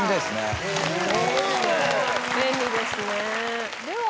便利ですねでは。